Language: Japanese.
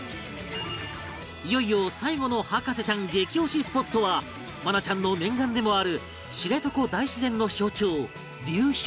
いよいよ最後の博士ちゃん激推しスポットは愛菜ちゃんの念願でもある知床大自然の象徴流氷